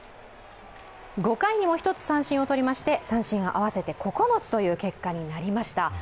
５回にも１つ三振を取りまして三振は合わせて９つという結果になりました。